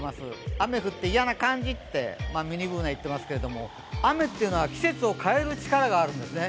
雨が降って嫌な感じとミニＢｏｏｎａ言っていますけれども、雨というのは季節を変える力があるんですね。